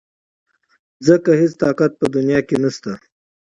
ځکه هېڅ طاقت په دنيا کې نشته .